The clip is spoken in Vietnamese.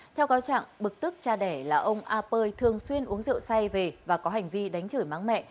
theo cáo trạng bực tức cha đẻ là ông a pơi thường xuyên uống rượu say về và có hành vi đánh chửi mắng mẹ